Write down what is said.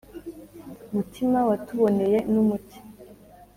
mutima watuboneye n’umuti